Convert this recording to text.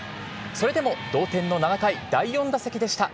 それでも同点の７回第４打席でした。